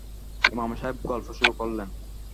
ইমাম সাহেব গল্প শুরু করলেন।